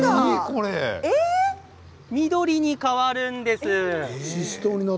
緑に変わるんです。